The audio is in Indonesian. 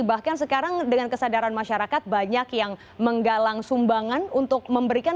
bahkan sekarang dengan kesadaran masyarakat banyak yang menggalang sumbangan untuk memberikan